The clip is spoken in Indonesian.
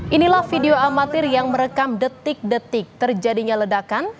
inilah video amatir yang merekam detik detik terjadinya ledakan